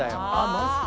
マジか！